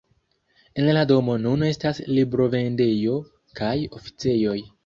En la domo nun estas librovendejo kaj oficejoj.